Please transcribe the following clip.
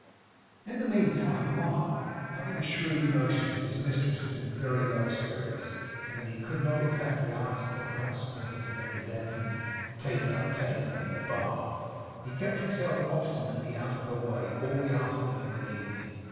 In the meantime Mark, having a shrewd notion that his mistress was in very low spirits, and that he could not exactly answer for the consequences of any lengthened TETE A TETE in the bar, kept himself obstinately out of her way all the afternoon and evening.